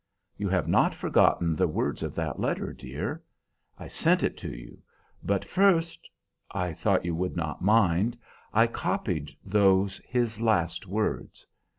You have not forgotten the words of that letter, dear? I sent it to you, but first I thought you would not mind I copied those, his last words.